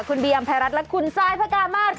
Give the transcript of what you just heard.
คุณบียัมแพรรัฐและคุณซายพระกาวมากค่ะ